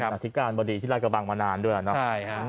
เป็นอธิการบรรดีที่รักบังมานานด้วยนะ